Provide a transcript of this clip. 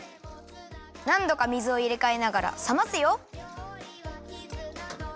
なんどか水をいれかえながらさますよ。